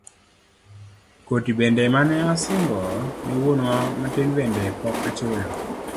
Koti bende mane asingo ne wuonwa matin bende pok achulo.